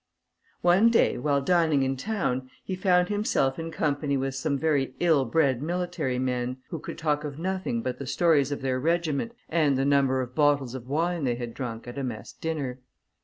_'" One day, while dining in town, he found himself in company with some very ill bred military men, who could talk of nothing but the stories of their regiment, and the number of bottles of wine they had drunk at a mess dinner.